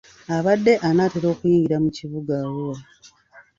Abadde anaatera okuyingira mu kibuga Arua.